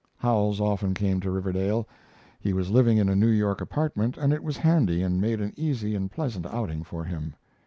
Howells often came to Riverdale. He was living in a New York apartment, and it was handy and made an easy and pleasant outing for him.